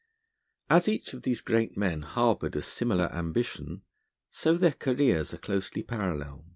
As each of these great men harboured a similar ambition, so their careers are closely parallel.